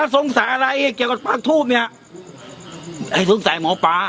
สงสัยอะไรเกี่ยวกับปากทูบเนี่ยไอ้สงสัยหมอปลา